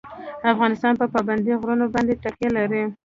افغانستان په پابندی غرونه باندې تکیه لري.